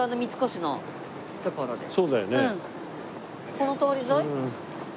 この通り沿い？